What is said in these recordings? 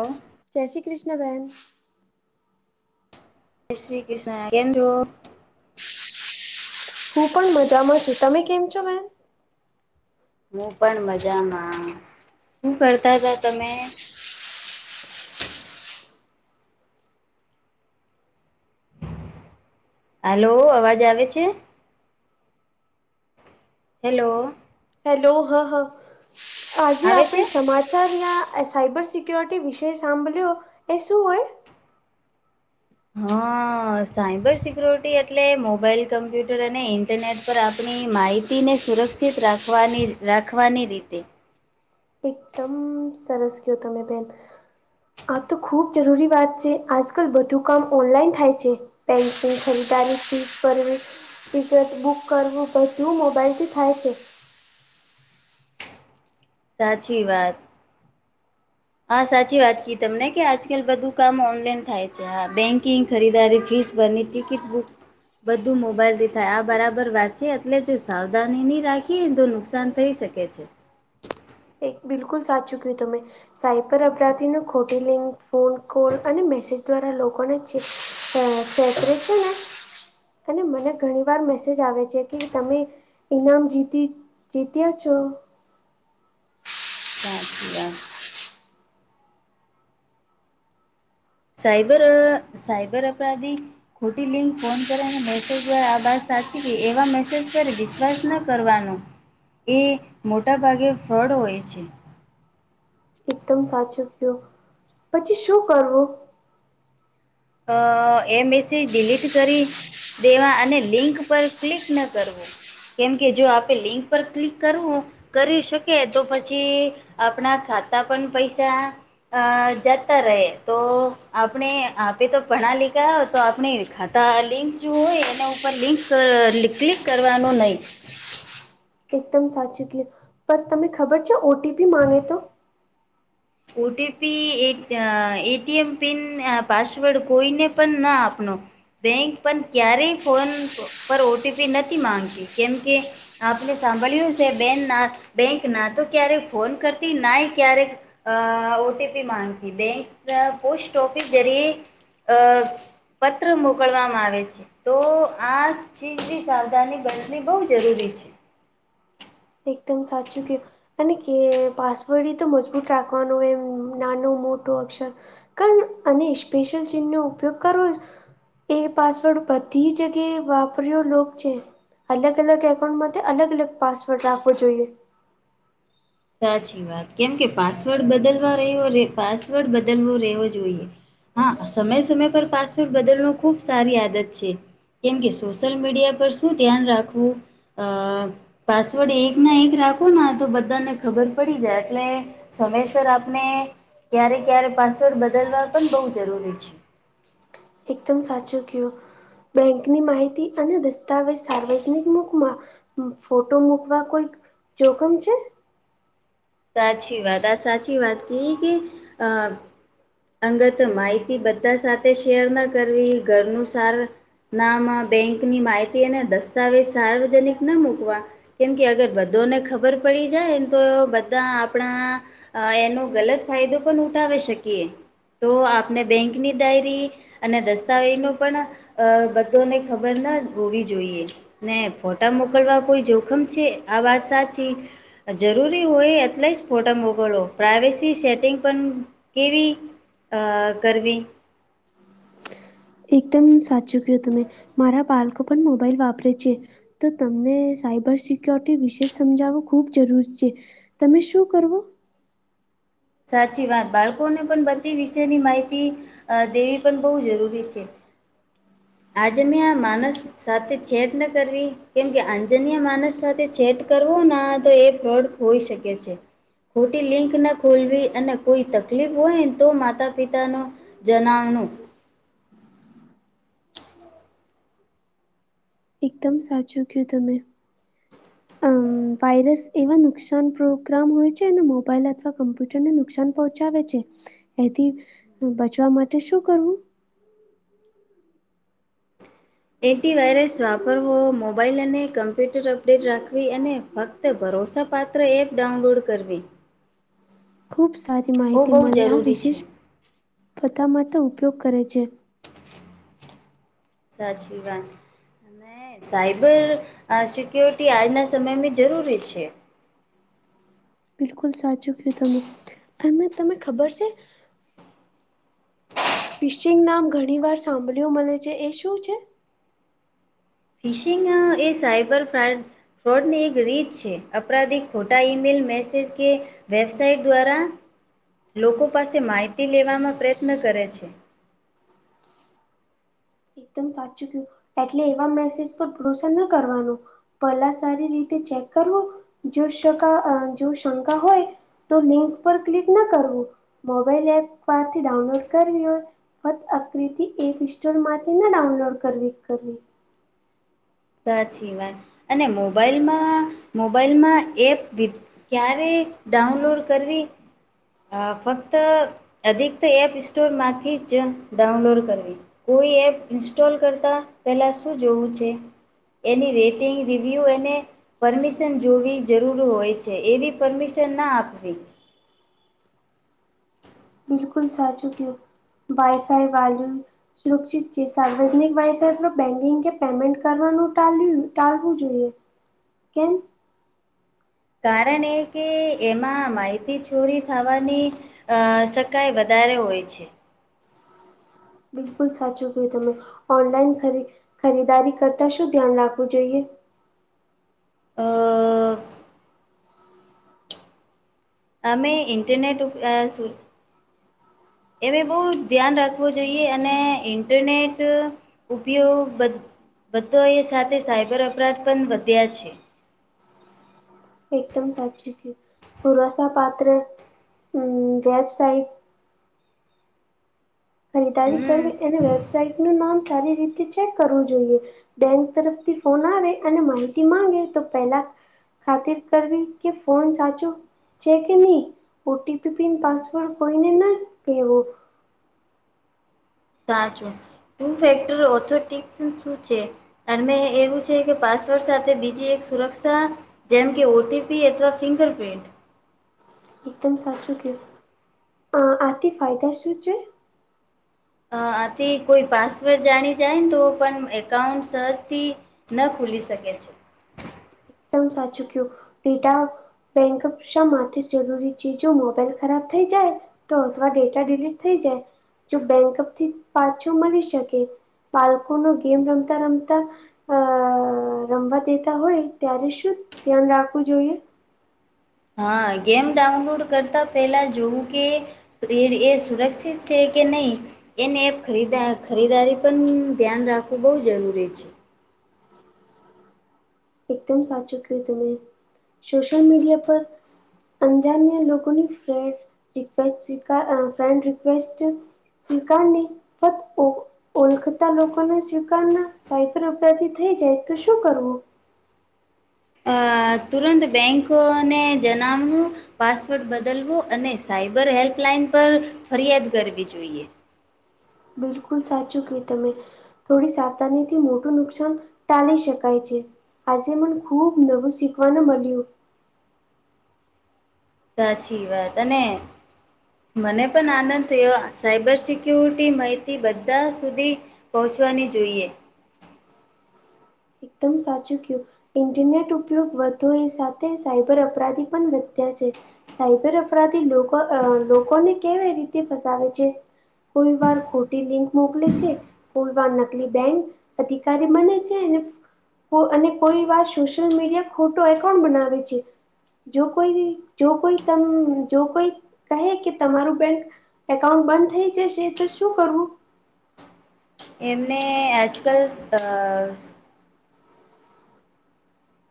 હ જય જે શ્રી કૃષ્ણ બહેન. જય શ્રી કૃષ્ણ કેમ છો? હું પણ મજામાં છું તમે કેમ છો બેન? હું પણ મજામાં. શું કરતા હતા તમે? હલો અવાજ આવે છે? હેલો. હેલો હા હ આજે આવે આપે છે સમાચાર ના સાયબર સિક્ય્યોરિટી વિષય સાંભળ્યો એ શું હોય? હા સાયબર સિક્યોરિટી એટલે મોબાઈલ કમ્પ્યુટર અને ઇન્ટરનેટ પર આપણી માહિતીને સુરક્ષિત રાખવાની રાખવાની રીતેહ એકદમ મ સરસ કતો મે બેન. આ તો ખૂબ જરૂરી વાત છે આજકાલ બધું કામ ઓનલાઈન થાય છે. પેન્શિન ખરીદારી ફી ભરવી. ટિકિટ બુક કરવું બધું મોબાઈલથી થાય છે. સાચી વાત. હા સાચી વાત ક તમને કે આજકાલ બધું કામ ઓનલાઈન થાય છે. હા બેન્કિંગ ખરીદારી ફીસ અને ટિકિટ બુક બધું મોબાઈલ થી થાય આ બરાબર વાત છે એટલે જો સાવધાની નહી રાખીએને તો નુકસાન થઈ શકે છે. એ બિલકુલ સાચું કીધું તમે. સાયબર અપરાધી ન ખોટી લિંક ફોન કૉલ અને મેસેજ દ્વારા લોકોને હા ચૈત્રી છે ને અને મને ઘણી વાર મેસેજ આવે છે કે તમે ઇનામ જીતી જીત્યા છો. [inaudible] સાચી વાત. સાઈબર સાઈબર અપરાધી ખોટી લિંક ફોન કરે અને મેસેજ દ્વારા આ વાત સાચી કે એવા મેસેજ પર વિશ વિશ્વાસ ન કરવાનો એ મોટાભાગે ફ્રોડ હોય છે. એકદમ સાચું કયું પછી શું કરવું? અ એ મેસેજ ડિલીટ કરી દેવા અને લિંક પર ક્લિક ન કરવું. કેમ કે જો આપે લિંક પર ક્લિક કરવું હો કરી શકે તો પછી આપણા ખાતા પણ પૈસા હા જતા રહે તો આપણે આ એતો તો ભણા લીખા તો આપણે ખાતા લિંક જો હોય એના ઉપર લિંક ક્લ કરવાનું નઈ. એકદમ સાચું કીધું. પર તમે ખબર છે ઓટીપી માંગે તો ઓ ટી પી એ A T M pin password કોઈને પણ ન આપનો. બેંક પણ ક્યારેય ફોન પર ઓટીપી નથી માંગતી કેમ કે આપને સાંભળ્યું છે બેન ના બેંક ના તો ક્યારેક ફોન કરતી ના ક્યારેક અ ઓ ટી પી માંગતી બેંક પોસ્ટ ઓફિસ જરીએ પત્ર મોકલવામાં આવે છે. તો આ ચીજ બી સાવધાની બનતવી બહુ જરૂરી છે. એકદમ સાચું કીધું. અને કે પાસવોર્ડ એ તો મજબૂત રાખવાનું હોય એમ નાનો મોટો અક્ષર કરને અને સ્પેશિયલ ચીનનો ઉપયોગ કરવો એ પાસવર્ડ બધી જગ્યાએ વાપર્યો લોક છે. અલગ અલગ એકાઉન્ટમાંથી અલગ અલગ પાસવર્ડ રાખવો જોઈએ. સાચી વાત કેમ કે પાસવર્ડ બદલવાવ [inaudible] પાસવર્ડ બદલવો રહેવો જોઈએ હા સમય સમય પર પાસવોર્ટ બદલ નો ખુબ સારી આદત છે. કેમ કે સોશિયલ મીડિયા પર શું ધ્યાન રાખવું અ પાસવર્ડ એક ના એક રાખો ના તો બધાને ખબર પડી જાય એટલે સમયસર આપણે ક્યારે ક્યારે પાસવર્ડ બદલવા પણ બહુ જરૂરી છે. એકદમ સાચું કું બેંકની માહિતી અને દસ્તાવેજ સાર્વજનિક મુકમાં ફોટો મૂકવા કોઈક જોખમ છે સાચી વાત આ સાચી વાત કે [inaudible] અંગત માહિતી બધા સાથે શેર ના કરવી ઘરનું સાર નામા બેંકની માહિતી અને દસ્તાવેજ સાર્વજનિક ના મૂકવા કેમ કે અગર બધોને ખબર પડી જાય ને તો તા આપણા એનો ગલત ફાયદો પણ ઉઠાવી શકીએ તો આપને બેંકની ડાયરી અને દસ્તાવેજ નો પણ અ બધોને ખબર ના હોવી જોઈએ. ને ફોટા મોકલવા કોઈ જોખમ છે આ વાત સાચી જરૂરી હોય એટલે જ ફોટા મોકલવો પ્રાઈવેસી સેટિંગ પણ કેવી આ કરવી એકદમ તમે મારા બાળકો પણ મોબાઈલ વાપરે છે તો તમને સાયબર સિક્યોરિટી વિશે સમજાવવું ખૂબ જરૂરી છે તમે શું કરવો સાચી વાત બાળકોને પણ બધી વિશેની માહિતી અ દેવી પણ બહુ જરૂરી છે આજે મેં આ માનસ સાથે છેડ ન કરવી કેમ કે આંજન્ય માણસ સાથે છેડ કરવો ના તો એ ફ્રોડ હોઈ શકે છે. ખોટી લિંક ના ખોલવી અને કોઈ તકલીફ હોય તો માતા પિતાનો જણાવાનું [inaudible] એકદમ સાચું કયું તમે અમ વાયરસ એવા નુકસાન પ્રોગ્રામ હોય છે અને મોબાઈલ અથવા કમ્પ્યુટરને નુકસાન પહોચાવે છે એથી બચવા માટે શું કરવું એન્ટી વાયરસ મોબાઈલ અને કમ્પ્યુટર અપડેટ રાખવી અને ફક્ત તે ભરોસાપાત્ર એપ ડાઉનલોડ કરવી ખુબ સારી ઓ માહિતી બહુ મળે આ જરૂરી છે. વિશેષ [inaudible] ઉપયોગ કરે છે સાચી વાત હ સાયબર સિક્યોરિટી આજના સમયમાં જરૂરી છે. બિલકુલ સાચું કયું તમે એ તમને ખબર છે ફિશિંગ નામ ઘણી વાર સાંભળ્યું મળે છે એ શું છે? ફિશિંગ એ સાઇબર ફ્રાડ ફ્રોડની એક રીત છે અપરાધી ખોટા ઈમેલ મેસેજ કે વેબસાઇટ દ્વારા લોકો પાસે માહિતી લેવામાં પ્રયત્ન કરે છે. એકદમ સાચું કયું એટલે એવા મેસેજ પર ભરોસો નઈ કરવાનો પહેલા સારી રીતે ચેક કરવું જો શકા જો શંકા હોય તો લિંક પર ક્લિક ના કરવું મોબાઈલ એપ પરથી ડાઉનલોડ કરવી હોય ફત અક્રથી એપ [unintelligible] સ્ટોર માંથી ના ડાઉનલોડ કરવી કરવી સાચી વાત અને મોબાઈલમાં મોબાઈલમાં એપ વિ- ક્યારે ડાઉનલોડ કરવી અ ફક્ત અધિક્ત તો એપ સ્ટોરમાંથી જ ડાઉનલોડ કરવી કોઈ એપ ઇન્સ્ટોલ કરતા પેલા શું જોવું છે એની રેટિંગ રિવ્યૂ એને પરમિશન જોવી જરૂર હોય છે એવી પરમિશન ના આપવી બિલકુલ સાચું કિયુ વાાઈફાઈ [unintelligible] સુરક્ષિત છે સાર્વજનિક વાઈફાઈ પર બેન્કિંગ કે પેમેન્ટ કરવાનું ટાળ્યું ટાલવું જોઈએ કેમ કારણ એ કે એમાં માહિતી ચોરી થવાની અ શકાય વધારે હોય છે બિલકુલ સાચું કયું તમે ઓનલાઈન ખરી ખરીદારી કરતા શું ધ્યાન રાખવું જોઈએ અ [inaudible] અમે ઇન્ટરનેટ ઉપ સુ [unintelligible] એને બહુ ધ્યાન રાખવું જોઈએ અને ઇન્ટરનેટ ઉપયોગ બધો એ સાથે સાયબર અપરાધ પણ વધ્યા છે એકદમ સાચું કીધુ પુરસા પાત્ર અ વેબસાઇટ ખરીદારી હમ કરવી એને વેબસાાઈટ નું નામ સારી રીતે છે. કરવું જોઈએ બેંક તરફથી ફોન આવે અને માહિતી માંગે તો પેલા ખાતર કરવી કે ફોન સાચું છે કે ની ઓટીપી પિન પાસવર્ડ કોઈને ના કહેવો સાચું ટુ ફેક્ટર ઓથોટિક્સ શું છે અને એવું છે કે પાસવર્ડ સાથે બીજી એક સુરક્ષા જેમ કે ઓટીપી અથવા ફિંગર પ્રિન્ટ એકદમ સાચું કીધુ આથી ફાયદા શું છે આથી કોઈ પાસવર્ડ જાણી જાય ને તો પણ એકાઉન્ટ સહજથી ન ખુલી શકે છે એકદમ સાચું ક્યું [unintelligible] બેંક શા માટે જરૂરી છે જો મોબાઈલ ખરાબ થઈ જાય તો અથવા ડેટા ડીલીટ થઈ જાય જો બેંક થી પાછું મળી શકે બાળકો નો ગેમ રમતા રમતા અ રમવા દેતા હોય ત્યારે શું ધ્યાન રાખવું જોઈએ હા ગેમ ડાઉનલોડ કરતા પેહલા જોવું કે શરીર એ સુરક્ષિત છે કે નહીં એને એ ખરીદા ખરીદારી પણ ધ્યાન રાખવું બઉ જરૂરી છે. એકદમ સાચું કહ્યું તુ એ સોશિયલ મીડિયા પર અંજાન્યા લોકોની ફ્રેન્ડ રિક્વેસ્ટ સ્વીકાર અ ફ્રેન્ડ રિક્વેસ્ટ સ્વીકાર ની ફક્ત ઓ ઓળખતા લોકોને સ્વીકાર ના સાયબર અપરાધી થઈ જાય તો શું કરવું અ તુરંત બેંક ને જણાવવું પાસવર્ડ બદલવો અને સાયબર હેલ્પલાઇન પર ફરિયાદ કરવી જોઈએ બિલકુલ સાચું કહ્યું તમે થોડી સાવતાની થી મોટું નુકસાન ટાલી શકાય છે આજે મને ખુબ નવું શીખવાનું મળ્યું સાચી વાત અને મને પણ આનંદ થયો સાયબર સિક્યુરિટી માહિતી બધા સુધી પહોંચવાની જોઈએ એકદમ સાચું કયું ઇન્ટરનેટ ઉપયોગ વધો એ સાથે સાયબર અપરાધી પણ વધ્યા છે. સાયબર અપરાધી લોકો અ લોકોને કેવી રીતે ફસાવે છે. કોઈ વાર ખોટી લિંક મોકલે છે. ખુલવા નકલી બેંક અધિકારી બને છે ને કો અને કોઈ વાર સોશિયલ મીડિયા ખોટો એકાઉન્ટ બનાવે છે. જો કોઈ જો કોઈ તમ જો કોઈ કહે કે તમારું બેંક એકાઉન્ટ બંધ થઈ જશે તો શું કરવું એમને આજકાલ અ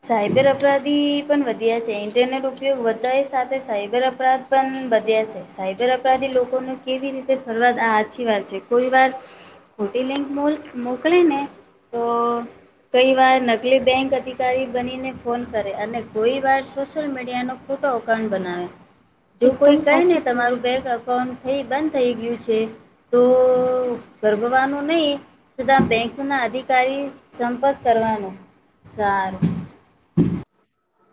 સાયબર અપરાધી પણ વધ્યા છે ઇન્ટરનેટ ઉપયોગ વધાયે સાથે સાયબર અપરાધ પન વધ્યા છે સાયબર અપરાધી લોકોનો કેવી રીતે ફરવાદ આ હાચી વાત છે કોઈ વાર ખોટી લિંક મુલ્ક મોકલે ને તો કોઈ વાર નકલી બેંક અધિ અધિકારી બની ને ફોન કરે અને કોઈ વાર સોશિયલ મીડિયાનો ખોટો અકાઉન્ટ બનાવે. જો કોઈ એકદમ કહે ને સાચું કયું તમારું બેંક અકાઉન્ટ થઈ બંધ થઈ ગયું છે. તો ગરભવાનું નઈ. થતાં બેંકના અધિકારી સંપર્ક કરવાનો. સારું